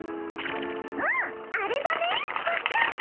あっあれだねっ。